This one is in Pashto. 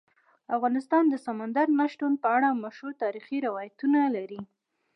افغانستان د سمندر نه شتون په اړه مشهور تاریخی روایتونه لري.